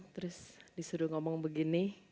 terus disuruh ngomong begini